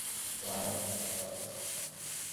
দাড়াও, দাড়াও।